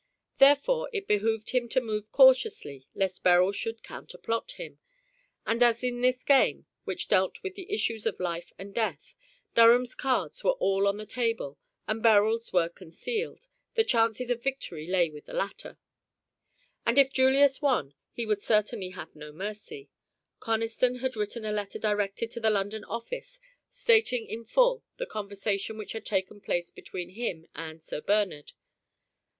Therefore it behooved him to move cautiously lest Beryl should counterplot him. And as in this game, which dealt with the issues of life and death, Durham's cards were all on the table and Beryl's were concealed, the chances of victory lay with the latter. And if Julius won, he would certainly have no mercy. Conniston had written a letter directed to the London office stating in full the conversation which had taken place between him and Sir Bernard.